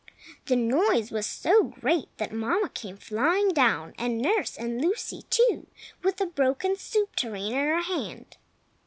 The noise was so great that Mamma came flying down, and nurse and Lucy, too, with the broken soup tureen in her hand.